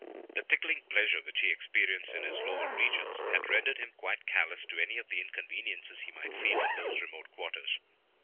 The tickling pleasure which he experienced in his lower regions, had rendered him quite callous to any inconveniences he might feel in those remote quarters.